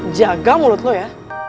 jaga mulut lu ya